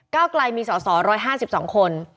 ก้าวกลายมีส่อ๑๕๒คน